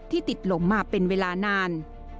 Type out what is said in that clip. ติดหลมมาเป็นเวลานาน